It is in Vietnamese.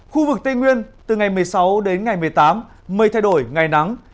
khu vực tây nguyên từ ngày một mươi sáu đến ngày một mươi tám mây thay đổi ngày nắng